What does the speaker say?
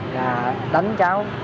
là đánh cháu